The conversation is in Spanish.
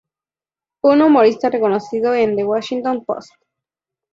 Fue un humorista reconocido en The Washington Post.